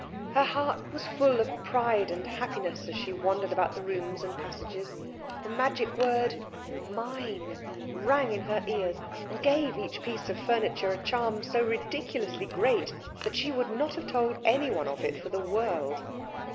Her heart was full of pride and happiness as she wandered about the rooms and passages. The magic word mine rang in her ears, and gave each piece of furniture a charm so ridiculously great that she would not have told any one of it for the world.